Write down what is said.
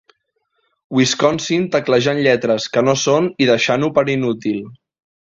Wisconsin teclejant lletres que no són i deixant-ho per inútil.